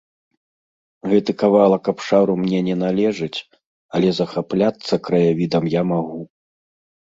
Гэты кавалак абшару мне не належыць, але захапляцца краявідам я магу.